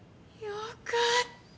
よかった。